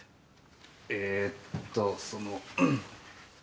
えーっとその。